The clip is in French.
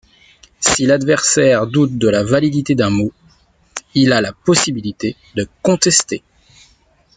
Si l'adversaire doute de la validité d'un mot, il a la possibilité de contester.